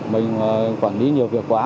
mình quản lý nhiều việc quá